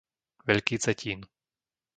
Veľký Cetín